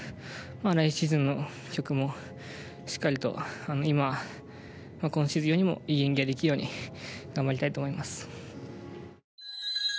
来シーズンもしっかりと今シーズンよりもいい演技ができるよう頑張りたいと思います。